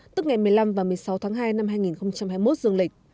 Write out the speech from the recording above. tức ngày một mươi năm và một mươi sáu tháng hai năm hai nghìn hai mươi một dương lịch